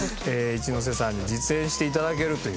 一ノ瀬さんに実演して頂けるという。